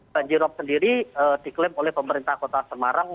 banji rop sendiri diklaim oleh pemerintah kota semarang